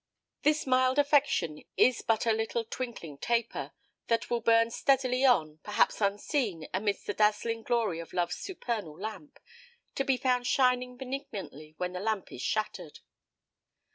This mild affection is but a little twinkling taper, that will burn steadily on, perhaps unseen amidst the dazzling glory of Love's supernal lamp, to be found shining benignantly when the lamp is shattered.